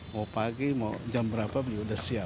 mau pagi mau jam berapa juga udah siap